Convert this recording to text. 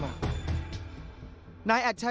อะไรอย่างนี้ไม่ใช่เดินโทงเทงมาอาบน้ำ